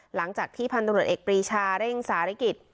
หลังจากที่พันธุรกิจเอกปรีชาเร่งสาริกิจ